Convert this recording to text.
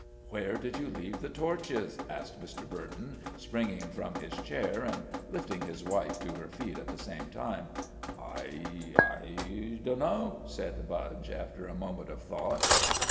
"Where did you leave the torches?" asked Mr. Burton, springing from his chair, and lifting his wife to her feet at the same time. "I I dunno," said Budge, after a moment of thought.